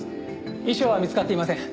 遺書は見つかっていません。